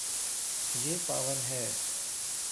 یے پاون ہے